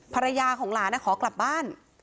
ภรรยาของหลานขอกลับบ้าน